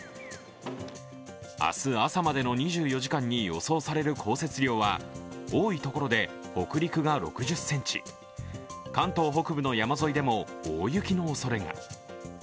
明日朝までの２４時間に予想される降雪量は多いところで北陸が６０ｃｍ、関東北部の山沿いでも大雪のおそれが。